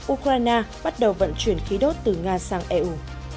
ukraine bắt đầu vận chuyển khí đốt từ nga sang eu